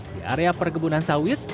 di area pergebunan sawit